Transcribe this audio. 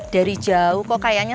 dari jauh kok kayaknya